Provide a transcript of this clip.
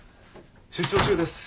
出張中です。